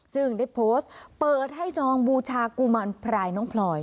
ซึ่งได้โพสต์เปิดให้จองบูชากุมารพรายน้องพลอย